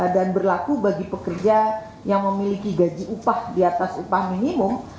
dan berlaku bagi pekerja yang memiliki gaji upah di atas upah minimum